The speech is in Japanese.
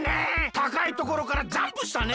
たかいところからジャンプしたね！